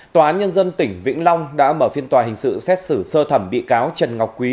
tòa án nhân dân tỉnh vĩnh long đã mở phiên tòa hình sự xét xử sơ thẩm bị cáo trần ngọc quý